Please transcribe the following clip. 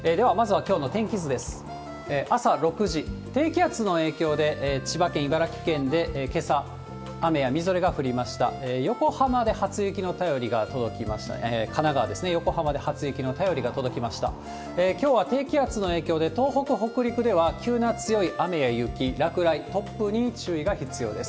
きょうは低気圧の影響で、東北、北陸では急な強い雨や雪、落雷、突風に注意が必要です。